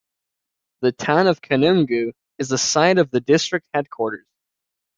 The town of Kanungu is the site of the district headquarters.